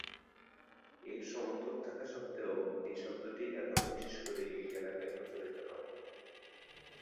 এর সমর্থক থাকা সত্ত্বেও, এই শব্দটি এখনও বিশেষ করে এই এলাকায় প্রচলিত নয়।